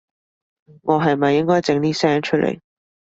我係咪應該整啲聲出來